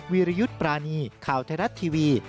วิริยุตรปรานีย์ข่าวไทยรัฐทีวี